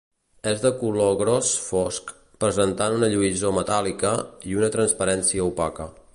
És de color gros fosc, presentant una lluïssor metàl·lica i una transparència opaca.